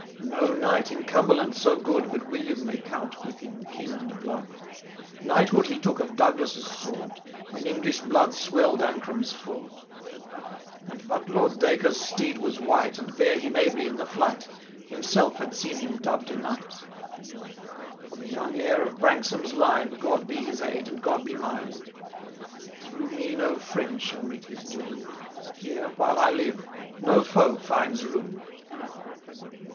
No knight in Cumberland so good. But William may count with him kin and blood. Knighthood he took of Douglas* sword,' When English blood swelled Ancram's ford ;^ And but Lord Dacre^s steed was wight. And bare him ably in the flight. Himself had seen him dubb*d a knight For the yoimg heir of Branksome^s line, Crod be his aid, and €rod be mine ; Through me no friend shall meet his doom ; Here, while I live, no foe finds room.